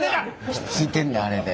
ひっついてんねあれで。